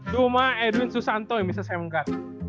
duh mah edwin susanto yang bisa sem gat